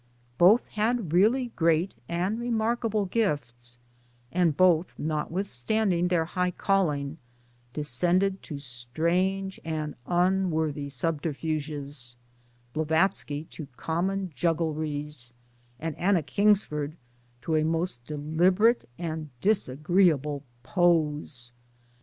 Both had really great and remarkable gifts ; and both, not withstanding their high calling, descended to strange and unworthy subterfuges Blavatsky to common juggleries and Anna Kingsford to a most deliberate and disagreeable 'pose.'